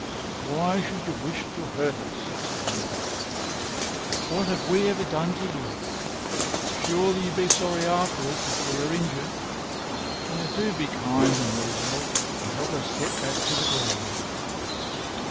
"Why should you wish to hurt us?" said Mary. "What have we ever done to you? Surely you will be sorry afterwards if we are injured. Now do be kind and reasonable and help us to get back to the ground."